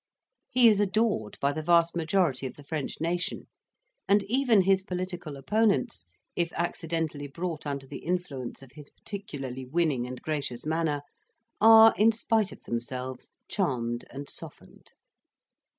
He is adored by the vast majority of the French nation, and even his political opponents, if accidentally brought under the influence of his particularly winning and gracious manner, are, in spite of themselves, charmed and softened.